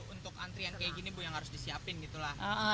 untuk antrian kayak gini bu yang harus disiapin gitu lah